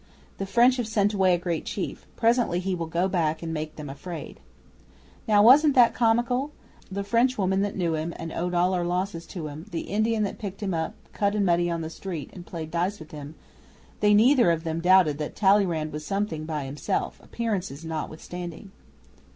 The French have sent away a great chief. Presently he will go back and make them afraid." 'Now wasn't that comical? The French woman that knew him and owed all her losses to him; the Indian that picked him up, cut and muddy on the street, and played dice with him; they neither of 'em doubted that Talleyrand was something by himself appearances notwithstanding.